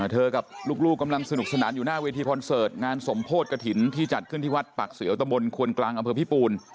กับลูกกำลังสนุกสนานอยู่หน้าเวทีคอนเสิร์ตงานสมโพธิกระถิ่นที่จัดขึ้นที่วัดปากเสียวตะบนควนกลางอำเภอพิปูน